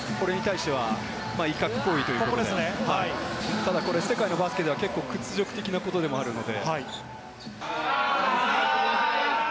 これに対しては威嚇行為ということで、世界のバスケでは屈辱的なことでもあるので。